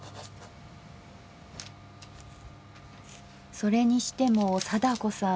それにしても貞子さん